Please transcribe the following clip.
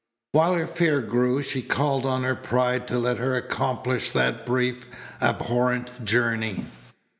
While her fear grew she called on her pride to let her accomplish that brief, abhorrent journey.